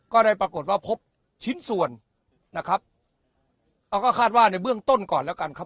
ก็ได้ปรากฏว่าพบชิ้นส่วนนะครับเราก็คาดว่าในเบื้องต้นก่อนแล้วกันครับ